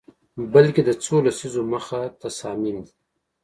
بلکه د څو لسیزو مخه تصامیم دي